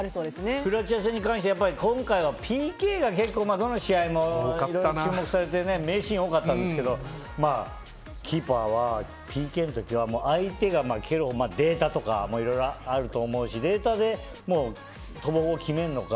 クロアチア戦に関して今回はＰＫが結構どの試合も注目されて名シーンが多かったんですがキーパーはＰＫの時は相手が蹴る時データとかもいろいろあると思うし、データで決めるのか。